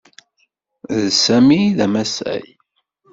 D Sami ay d amasay.